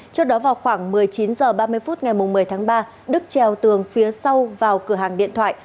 trước đó vào khoảng một mươi chín h ba mươi phút ngày một mươi tháng ba đức treo tường phía sau vào cửa hàng điện thoại